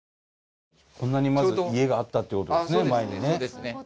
こんなにまず家があったっていうことですね